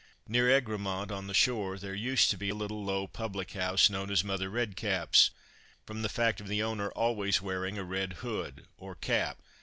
Near Egremont, on the shore, there used to be a little low public house, known as "Mother Redcap's," from the fact of the owner always wearing a red hood or cap.